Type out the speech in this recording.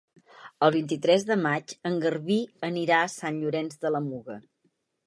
El vint-i-tres de maig en Garbí anirà a Sant Llorenç de la Muga.